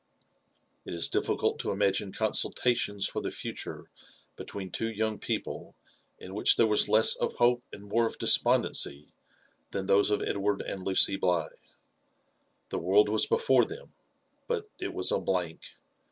It is difficult to imagine consultations for the future between two young people, in which there was less of hope and more of de spondency than those of Edward and Lucy Bligh. The world was before them, but it was a blank.